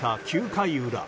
９回裏。